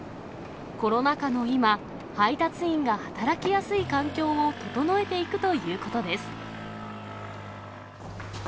コロナ禍の今、配達員が働きやすい環境を整えていくということです。